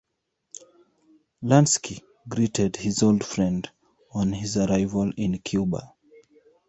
Lansky greeted his old friend on his arrival in Cuba.